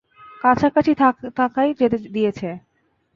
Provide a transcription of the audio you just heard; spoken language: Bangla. কাছাকাছি থাকায় যেতে দিয়েছি।